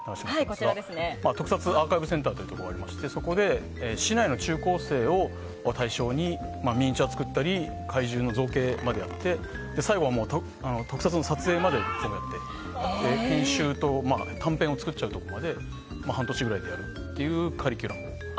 特撮アーカイブセンターというところがありましてそこで市内の中高生を対象にミニチュアを作ったり怪獣の造形までやって最後は、特撮の撮影までやって研修と短編を作っちゃうところまで半年ぐらいでやるというカリキュラムを。